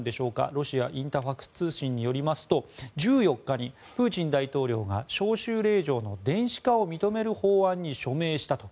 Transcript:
ロシアインタファクス通信によりますと１４日にプーチン大統領が招集令状の電子化を認める法案に署名したと。